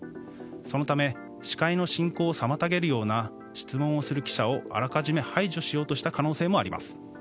そのため、司会の進行を妨げるような質問をする記者をあらかじめ排除しようとした可能性があります。